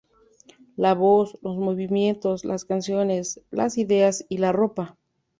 La voz, los movimientos, las canciones, las ideas y la ropa.